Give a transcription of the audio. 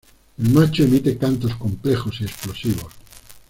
El macho emite cantos complejos y explosivos.